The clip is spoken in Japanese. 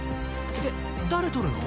で誰とるの？